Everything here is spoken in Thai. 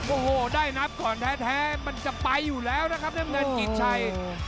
โอ้โหได้นับก่อนแท้มันจะไปอยู่แล้วนะครับน้ำเงินกิจชัย